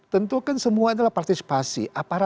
tentu kan semua adalah partisipasi